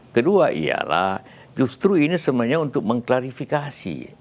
kedua ialah justru ini sebenarnya untuk mengklarifikasi